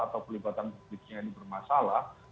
atau pelibatan publiknya ini bermasalah